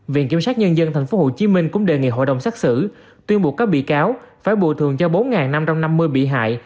viện kiểm sát nhân dân tp hcm cũng đề nghị hội đồng xác xử tuyên buộc các bị cáo phải bồi thường cho bốn năm trăm năm mươi bị hại